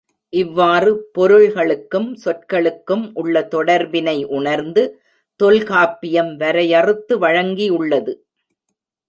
இவ்வாறு பொருள் களுக்கும், சொற்களுக்கும் உள்ள தொடர்பினை உணர்ந்து தொல்காப்பியம் வரையறுத்து வழங்கி யுள்ளது.